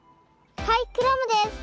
はいクラムです！